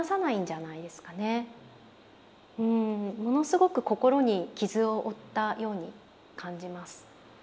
ものすごく心に傷を負ったように感じます。